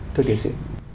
thưa tiến sĩ